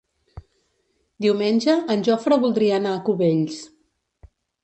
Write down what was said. Diumenge en Jofre voldria anar a Cubells.